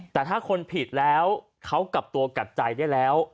แต่ถ้าคนผิดแล้วเขากลับตัวกลับใจได้แล้ว